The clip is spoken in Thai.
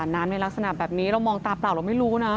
ในลักษณะแบบนี้เรามองตาเปล่าเราไม่รู้นะ